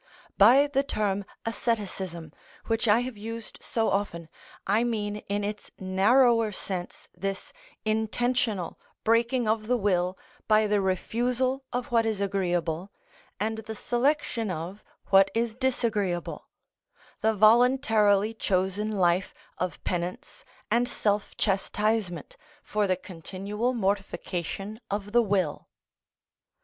By the term asceticism, which I have used so often, I mean in its narrower sense this intentional breaking of the will by the refusal of what is agreeable and the selection of what is disagreeable, the voluntarily chosen life of penance and self chastisement for the continual mortification of the will.